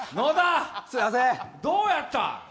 どうやった？